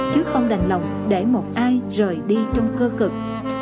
chứ không đành lòng để một ai rời đi trong cơ cực